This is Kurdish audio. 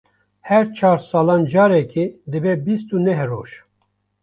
Her çar salan carekê dibe bîst û neh roj.